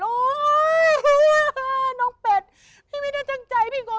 โอ๊ยน้องเป็ดพี่ไม่ได้จังใจพี่โก้ต้อน